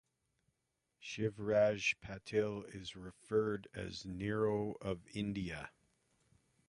Shivraj Patil is referred as nero of India.